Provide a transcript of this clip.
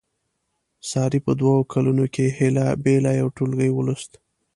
سارې په دوه کالونو کې هیله بیله یو ټولګی ولوست.